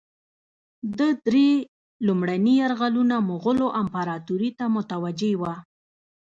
ده درې لومړني یرغلونه مغولو امپراطوري ته متوجه وه.